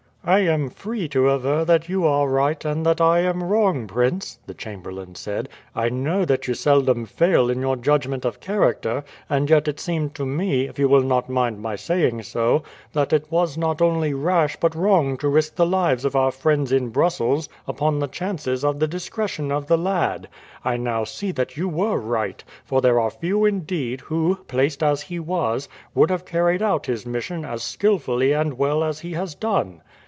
"I am free to aver that you are right and that I am wrong, prince," the chamberlain said. "I know that you seldom fail in your judgment of character, and yet it seemed to me, if you will not mind my saying so, that it was not only rash but wrong to risk the lives of our friends in Brussels upon the chances of the discretion of the lad. I now see you were right, for there are few indeed who, placed as he was, would have carried out his mission as skilfully and well as he has done."